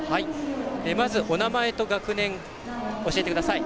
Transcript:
まずお名前と学年教えてください。